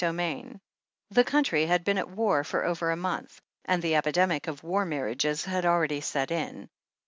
XXVI The country had been at war for over a month, and the epidemic of war marriages had already set in.